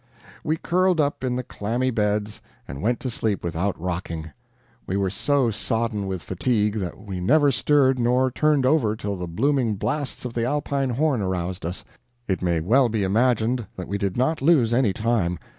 We curled up in the clammy beds, and went to sleep without rocking. We were so sodden with fatigue that we never stirred nor turned over till the blooming blasts of the Alpine horn aroused us. It may well be imagined that we did not lose any time.